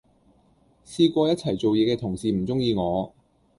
試過一齊做野既同事唔鐘意我